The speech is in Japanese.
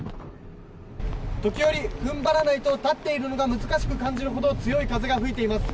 時折、踏ん張らないと立っているのが難しく感じるほど強い風が吹いています。